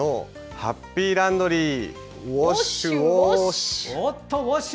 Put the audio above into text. ハッピーランドリーウォッシュウォッシュ！